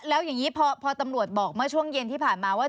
แล้วอย่างนี้พอตำรวจบอกเมื่อช่วงเย็นที่ผ่านมาว่า